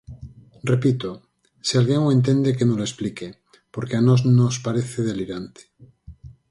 Repito, se alguén o entende que nolo explique, porque a nós nos parece delirante.